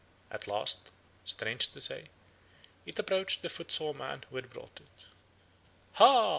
At last, strange to say, it approached the foot sore man who had brought it. "'Ha!'